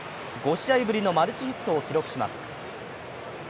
５試合ぶりのマルチヒットを記録します。